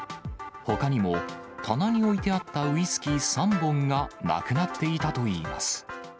ほかにも棚に置いてあったウイスキー３本がなくなっていたといいます。